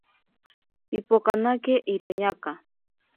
Pipokanake iroñaka.